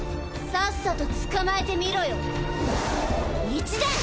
さっさと捕まえてみろよ一年！